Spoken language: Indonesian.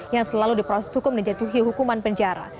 yang selalu diproses hukum dan jatuhi hukuman penjara